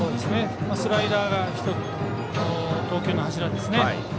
スライダーが投球の柱ですね。